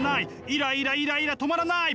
イライライライラ止まらない！